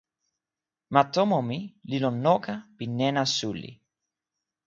ma tomo mi li lon noka pi nena suli.